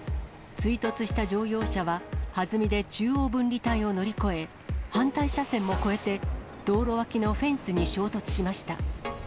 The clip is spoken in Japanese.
追突した乗用車ははずみで中央分離帯を乗り越え、反対車線も越えて、道路脇のフェンスに衝突しました。